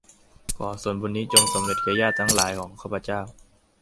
ขอส่วนบุญนี้จงสำเร็จแก่ญาติทั้งหลายของข้าพเจ้า